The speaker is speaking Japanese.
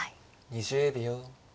２０秒。